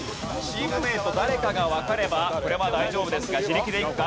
チームメート誰かがわかればこれは大丈夫ですが自力でいくか？